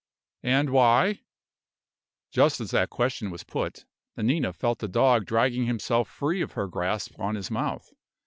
"And why?" Just as that question was put, Nanina felt the dog dragging himself free of her grasp on his mouth.